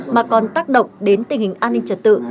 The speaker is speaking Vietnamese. mà còn tác động đến tình hình an ninh trật tự